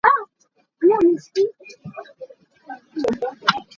Ka hawipa ka ṭhangh.